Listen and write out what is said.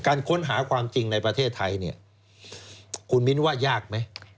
การค้นหาความจริงในประเทศไทยเนี่ยคุณมิ้นว่ายากไหม